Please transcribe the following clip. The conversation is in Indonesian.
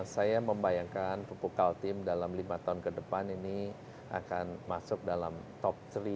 saya membayangkan pupuk kaltim dalam lima tahun ke depan ini akan masuk dalam top tiga